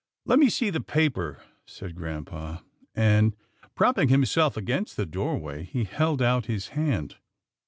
" Let me see the paper," said grampa, and, prop ping himself against the doorway, he held out his hand.